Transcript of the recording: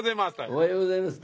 おはようございます。